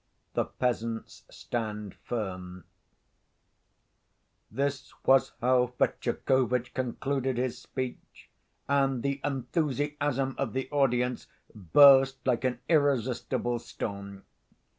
The Peasants Stand Firm This was how Fetyukovitch concluded his speech, and the enthusiasm of the audience burst like an irresistible storm.